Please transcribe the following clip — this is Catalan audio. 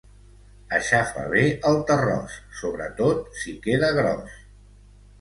Aixafa bé el terròs, sobretot si queda gros.